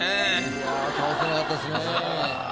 いや倒せなかったっすね。